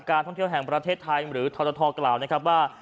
ท่องเที่ยวแห่งประเทศไทยหรือทรทกล่าวนะครับว่า